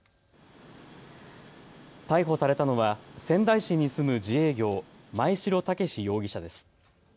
逮捕されたのは仙台市に住む自営業、真栄城健容疑者です。